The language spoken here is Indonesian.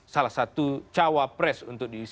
salah satu cawa pres untuk bisa diusung